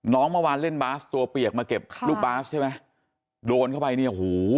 เมื่อวานเล่นบาสตัวเปียกมาเก็บลูกบาสใช่ไหมโดนเข้าไปเนี่ยหู